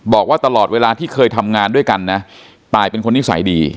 บอกว่าตลอดเวลาที่เคยทำงานด้วยกันนะตายเป็นคนนิสัยดี